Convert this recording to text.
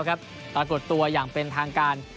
ปรากฏตัวอย่างเป็นทางการ